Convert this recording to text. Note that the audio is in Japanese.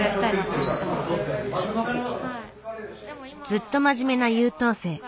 ずっと真面目な優等生。